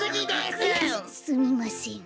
すすみません。